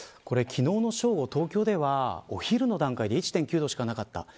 昨日の正午、東京ではお昼の段階で１．９度しかなかった。